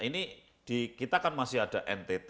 ini di kita kan masih ada ntt